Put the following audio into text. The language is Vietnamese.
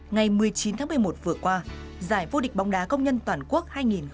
ngày một mươi chín tháng một mươi một vừa qua giải vô địch bóng đá công nhân toàn quốc hai nghìn hai mươi ba